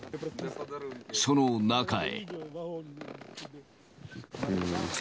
その中へ。